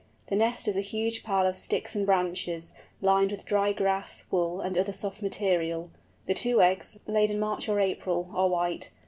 The nest is a huge pile of sticks and branches, lined with dry grass, wool, and other soft material. The two eggs, laid in March or April, are white.